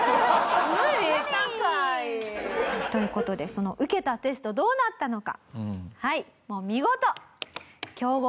高い！という事でその受けたテストどうなったのかはい。